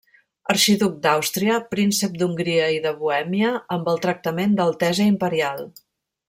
Arxiduc d'Àustria, príncep d'Hongria i de Bohèmia amb el tractament d'altesa imperial.